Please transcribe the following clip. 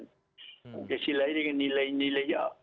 pancasila dengan nilai nilai